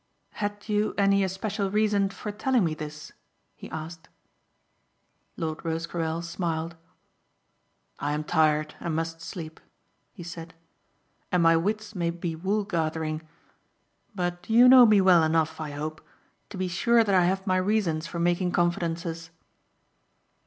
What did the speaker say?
"Had you any especial reason for telling me this?" he asked. Lord Rosecarrel smiled. "I am tired and must sleep," he said, "and my wits may be wool gathering; but you know me well enough, I hope, to be sure that I have my reasons for making confidences."